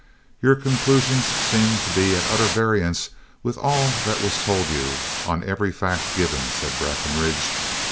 "Your conclusions seem to be at utter variance with all that was told you, and every fact given," said Breckinridge.